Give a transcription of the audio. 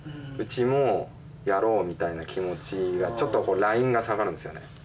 「うちもやろう」みたいな気持ちがちょっとラインが下がるんですよね